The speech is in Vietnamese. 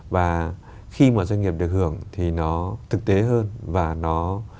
và khi mà doanh nghiệp được hưởng thì nó thực tế hơn và nó